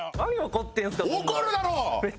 怒るだろ！